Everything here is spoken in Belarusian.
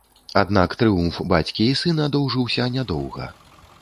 Аднак трыумф бацькі і сына доўжыўся нядоўга.